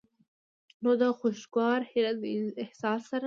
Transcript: نو د خوشګوار حېرت د احساس سره